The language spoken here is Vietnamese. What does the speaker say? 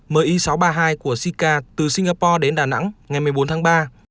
mi sáu trăm ba mươi hai của sica từ singapore đến đà nẵng ngày một mươi bốn tháng ba